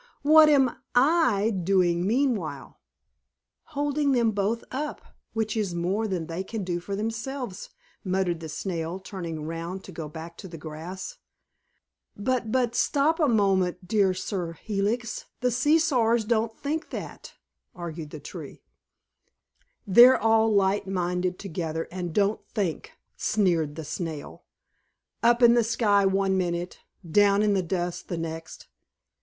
What am I doing meanwhile?" "Holding them both up, which is more than they can do for themselves," muttered the Snail, turning round to go back to the grass. "But but stop a moment, dear Sir Helix; the see sawers don't think that," argued the Tree. "They're all light minded together, and don't think," sneered the Snail. "Up in the sky one minute, down in the dust the next.